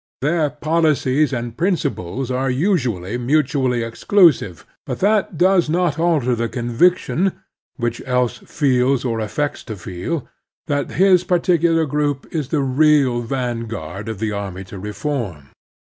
Their policies and principles are usually mutually exclusive; but that does not alter the conviction, which each Latitude and Longitude 49 feek or affects to feel, that his particular group is the real vanguard of the army of reform.